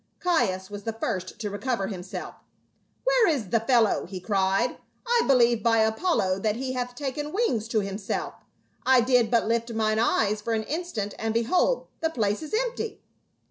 Caius was the first to recover himself "Where is the fellow?" he cried, "I believe by Apollo, that he hath taken wings to himself I did but lift mine eyes for an instant and behold the place is empty."